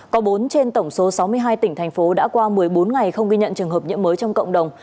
có bốn trên tổng số sáu mươi hai tỉnh thành phố đã qua một mươi bốn ngày không ghi nhận trường hợp nhiễm mới trong cộng đồng